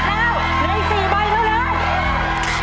อีสี่ใบทุกนัก